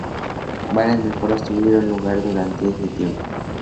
Varias mejoras tuvieron lugar durante este tiempo.